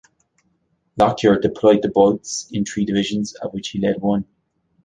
Lockyer deployed the boats in three divisions, of which he led one.